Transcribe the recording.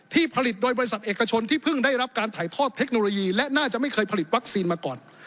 ผลิตโดยบริษัทเอกชนที่เพิ่งได้รับการถ่ายทอดเทคโนโลยีและน่าจะไม่เคยผลิตวัคซีนมาก่อน